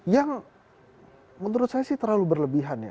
yang menurut saya sih terlalu berlebihan ya